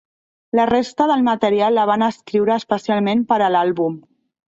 La resta del material la van escriure especialment per a l'àlbum.